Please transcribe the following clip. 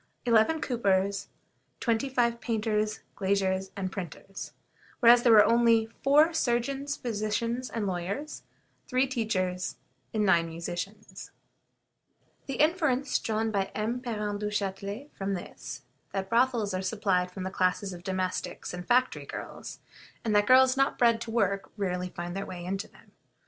21 Coopers 11 Painters, Glaziers, and Printers 25 Whereas there were only Surgeons, Physicians, and Lawyers 4 Teachers 3 Musicians 9 The inference drawn by M. Parent Duchatelet from this is, that brothels are supplied from the classes of domestics and factory girls; and that girls not bred to work rarely find their way into them.